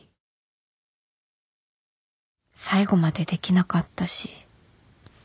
最後までできなかったし